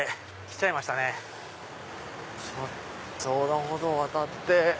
ちょっと横断歩道を渡って。